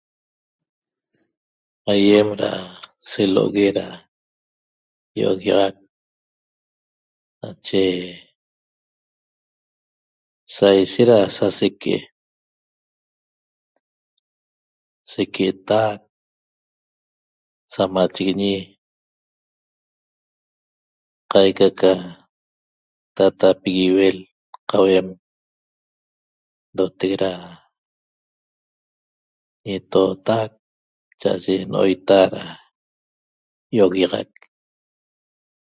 Aiem ra selo'ogue ra io'oguiaxac nache saishet ra saseque'e seque'etac, samachiguiñi qaica ca tatapigui iuel qauem ñetootac cha'aye no'oita ra io'oguiaxac